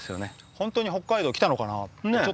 本当に北海道来たのかなって。